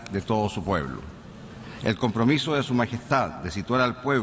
ขอบคุณครับ